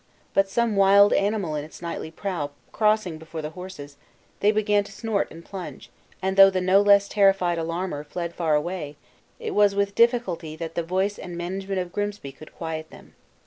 But some wild animal in its nightly prowl crossing before the horses, they began to snort and plunge, and though the no less terrified alarmer fled far away, it was with difficulty the voice and management of Grimsby could quiet them.